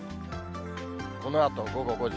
このあと午後５時。